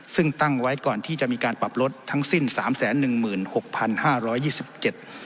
ซึ่งตั้งไว้ก่อนที่จะมีการปรับลดทั้งสิ้นสามแสนหนึ่งหมื่นหกพันห้าร้อยยี่สิบเจ็ด